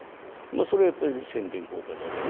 それはやっぱり、宣伝効果だろうな。